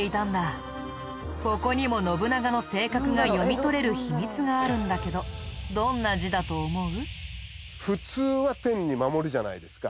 ここにも信長の性格が読み取れる秘密があるんだけどどんな字だと思う？